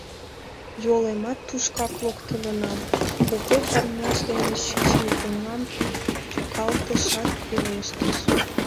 — Йолемат тушакак локтылынам, — Когой парняж дене шичме оҥам тӱкалтышат, пелештыш...